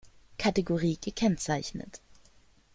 Kategorie gekennzeichnet.